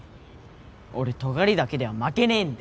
俺、尖りだけでは負けねえんで！